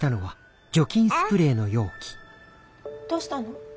どうしたの？